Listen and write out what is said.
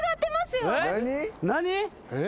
何？